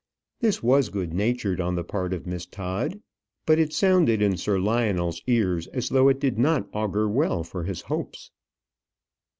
This was good natured on the part of Miss Todd; but it sounded in Sir Lionel's ears as though it did not augur well for his hopes.